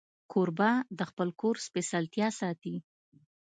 کوربه د خپل کور سپېڅلتیا ساتي.